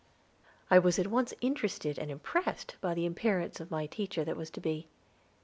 I was at once interested and impressed by the appearance of my teacher that was to be.